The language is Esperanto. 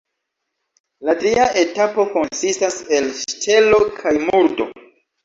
La tria etapo konsistas el ŝtelo kaj murdo.